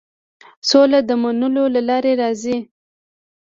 سوله د منلو له لارې راځي.